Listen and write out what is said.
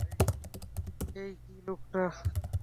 এই কি লোকটা?